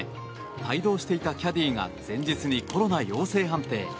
帯同していたキャディーが前日にコロナ陽性判定。